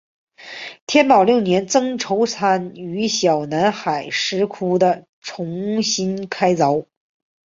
天保六年僧稠参与小南海石窟的重新开凿。